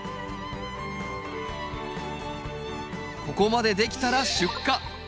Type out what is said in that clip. ここまでできたら出荷！